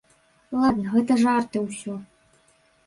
Ладна, гэта жарты ўсё.